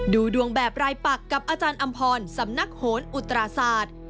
ดูดวงแบบรายปักกับอาจารย์อำพรสำนักโหนอุตราศาสตร์